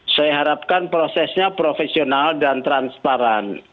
saya harapkan prosesnya profesional dan transparan